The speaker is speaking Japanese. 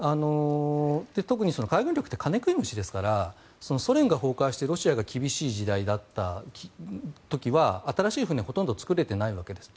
特に海軍力って金食い虫ですからソ連が崩壊してロシアが厳しい時代だった時は新しい船はほとんど造れていないわけです。